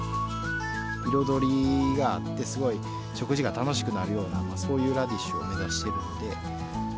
彩りがあってすごい食事が楽しくなるようなそういうラディッシュを目指しているので。